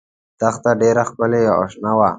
دښته ډېره ښکلې او شنه وه.